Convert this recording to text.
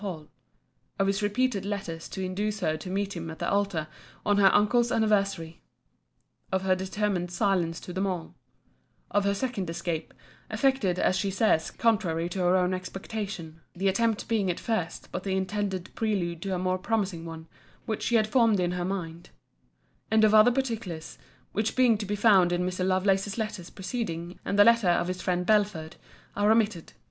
Hall: Of his repeated letters to induce her to meet him at the altar, on her uncle's anniversary: Of her determined silence to them all: Of her second escape, effected, as she says, contrary to her own expectation: the attempt being at first but the intended prelude to a more promising one, which she had formed in her mind: And of other particulars; which being to be found in Mr. Lovelace's letters preceding, and the letter of his friend Belford, are omitted.